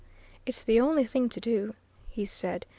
"It's the only thing to do," he said.